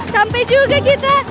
sampai juga kita